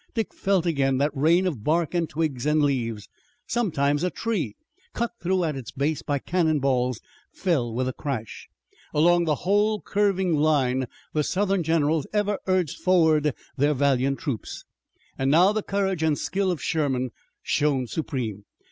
Dick felt again that rain of bark and twigs and leaves. Sometimes a tree, cut through at its base by cannon balls, fell with a crash. Along the whole curving line the Southern generals ever urged forward their valiant troops. Now the courage and skill of Sherman shone supreme.